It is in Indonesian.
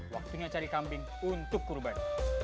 waktunya cari kambing untuk kurban